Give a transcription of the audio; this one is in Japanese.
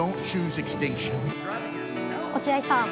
落合さん。